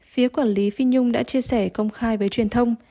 phía quản lý phi nhung đã chia sẻ công khai với truyền thông